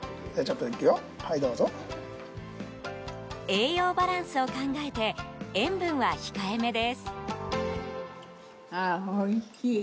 栄養バランスを考えて塩分は控えめです。